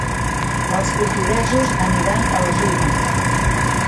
Els portuguesos aniran a les urnes